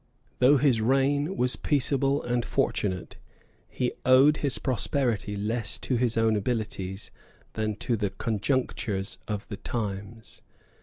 Though his reign was peaceable and fortunate, he owed his prosperity less to his own abilities than to the conjunctures of the times.